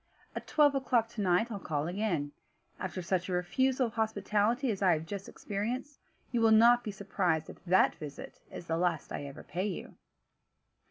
At twelve o'clock to night I'll call again; after such a refusal of hospitality as I have just experienced, you will not be surprised if that visit is the last I ever pay you."